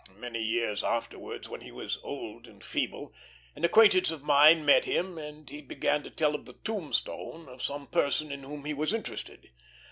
Many years afterwards, when he was old and feeble, an acquaintance of mine met him, and he began to tell of the tombstone of some person in whom he was interested.